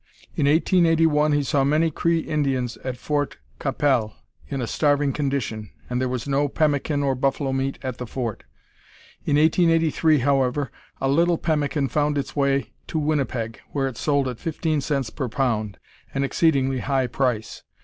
In 1881 he saw many Cree Indians at Fort Qu'Appelle in a starving condition, and there was no pemmican or buffalo meat at the fort. In 1883, however, a little pemmican found its way to Winnipeg, where it sold at 15 cents per pound; an exceedingly high price.